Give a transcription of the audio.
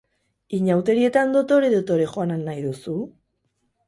Inauterietan dotore-dotore joan al nahi duzu?